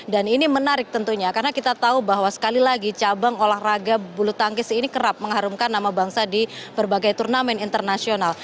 dan ini menarik tentunya karena kita tahu bahwa sekali lagi cabang olahraga bulu tangkis ini kerap mengharumkan nama bangsa di berbagai turnamen internasional